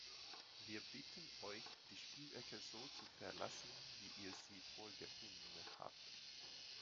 Wir bitten euch, die Spielecke so zu verlassen, wie ihr sie vorgefunden habt!